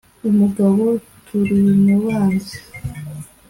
umugabo Turimubanzi